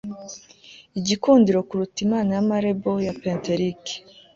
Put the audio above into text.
Igikundiro kuruta imana ya marble ya pentelique